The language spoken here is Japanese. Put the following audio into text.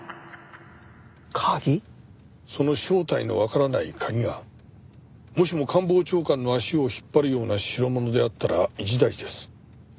その正体のわからない鍵がもしも官房長官の足を引っ張るような代物であったら一大事です。